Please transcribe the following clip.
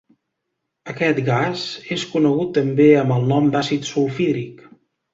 Aquest gas és conegut també amb el nom d'àcid sulfhídric.